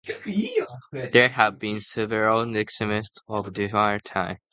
There have been several remixes of "Despre Tine".